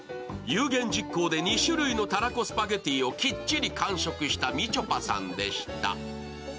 有言実行で２種類のたらこスパゲティをきっちり完食したみちょぱさんでした。